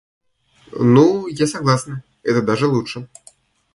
Ну, я согласна, это даже лучше.